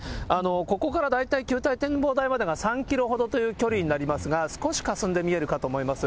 ここから大体、球体展望台までが３キロほどという距離になりますが、少しかすんで見えるかと思います。